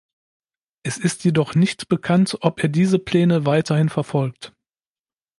Es ist jedoch nicht bekannt, ob er diese Pläne weiterhin verfolgt.